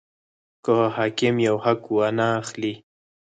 که حاکم یو حق وانه خلي.